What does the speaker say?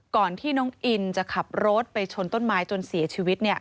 ก่อนที่น้องอินจะขับรถไปชนต้นไม้จนเสียชีวิต